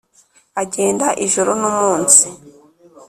agenda ijoro nu munsi,